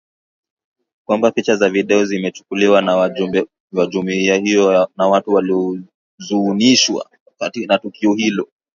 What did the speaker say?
kwamba picha za video zimechukuliwa na wajumbe wa jumuiya hiyo na watu waliohuzunishwa na tukio hilo